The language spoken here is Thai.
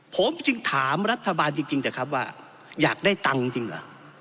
ผมจึงถามรัฐบาลจริงเถอะครับว่าอยากได้ตังค์จริงเหรอ